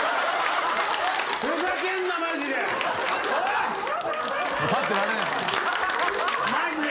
ふざけんなマジで！